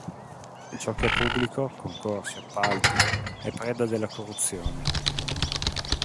Ciò che è pubblico, concorsi, appalti, è preda della corruzione.